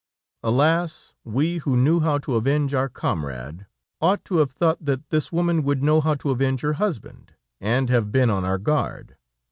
Alas! we who knew how to avenge our comrade, ought to have thought that this woman would know how to avenge her husband, and have been on our guard.